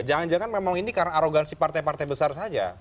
jangan jangan memang ini karena arogansi partai partai besar saja